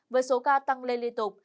với số ca tăng lên liên tục